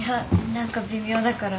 何か微妙だから。